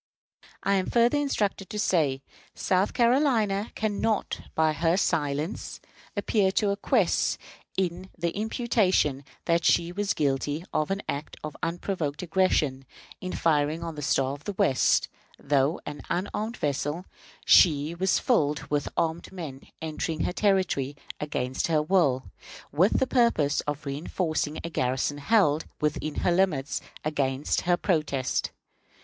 I am further instructed to say that South Carolina can not, by her silence, appear to acquiesce in the imputation that she was guilty of an act of unprovoked aggression in firing on the Star of the West. Though an unarmed vessel, she was filled with armed men entering her territory against her will, with the purpose of reënforcing a garrison held, within her limits, against her protest.